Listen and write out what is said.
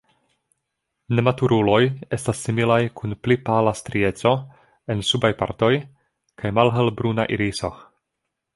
Nematuruloj estas similaj kun pli pala strieco en subaj partoj kaj malhelbruna iriso.